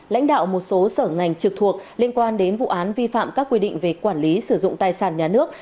lãnh đạo một số sở ngành trực thuộc liên quan đến vụ án vi phạm các quy định về quản lý sử dụng tài sản nhà nước